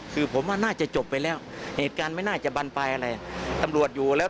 คือผมว่าน่าจะจบไปแล้ว